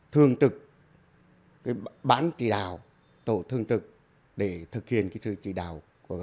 thường trực cái bán trị đạo tổ thường trực để thực hiện cái trị đạo